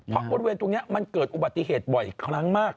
เพราะบริเวณตรงนี้มันเกิดอุบัติเหตุบ่อยครั้งมาก